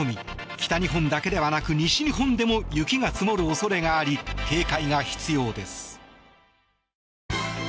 北日本だけではなく西日本でも雪が積もる恐れがあり警戒が必要です。